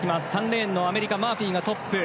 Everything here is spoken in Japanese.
３レーンのアメリカマーフィーがトップ。